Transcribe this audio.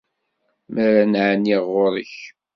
Mi ara n-ɛenniɣ ɣur-k.